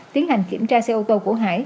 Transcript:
tiến hành kiểm tra xe ô tô của hải